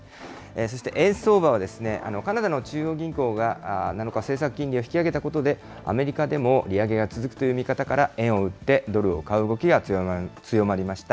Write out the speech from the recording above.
そして円相場はですね、カナダの中央銀行が７日、政策金利を引き上げたことで、アメリカでも利上げが続くという見方から円を売ってドルを買う動きが強まりました。